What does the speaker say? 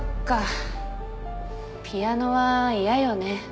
ピアノは嫌よね。